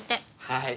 はい。